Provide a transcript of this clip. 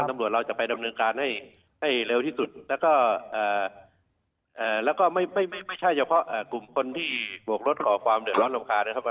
ไม่ใช่เฉพาะกลุ่มคนที่บวกรถขอความเดินร้อนลำคานะครับ